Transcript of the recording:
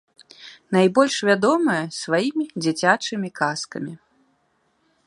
Найбольш вядомая сваімі дзіцячымі казкамі.